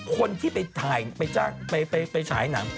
คนที่ไปถ่ายไปจ้างไปชายหนัง